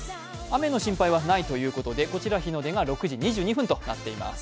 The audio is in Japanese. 雨の心配はないということでこちら日の出が６時２２分となっています。